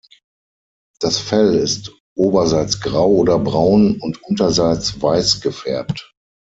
Das Fell ist oberseits grau oder braun und unterseits weiß gefärbt.